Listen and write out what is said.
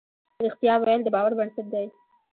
رښتيا ويل د باور بنسټ دی.